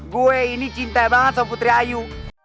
gue ini cinta banget sama putri ayu